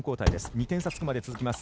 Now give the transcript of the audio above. ２点差がつくまで続きます。